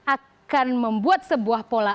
akan membuat sebuah pola